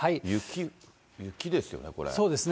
雪ですよね、そうですね。